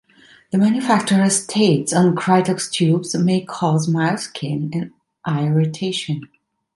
The manufacturer states on Krytox tubes, May cause mild skin and eye irritation.